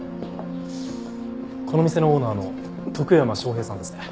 この店のオーナーの徳山昌平さんですね。